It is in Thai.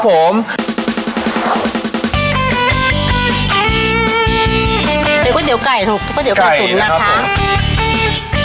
เป็นกระเตี๋ยวกล่ายไก่ถูกกระเตี๋ยวกล่ายไก่ตุ๋นนะคะ